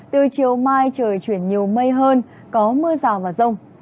từ chiều mai trời chuyển nhiều mây hơn có mưa rào và rông